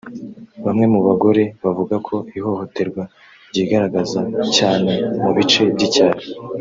Bamwe mu bagore bavuga ko ihohoterwa ryigaragaza cyane mu bice by’icyaro